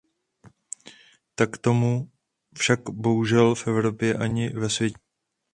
Tak tomu však bohužel v Evropě ani ve světě není.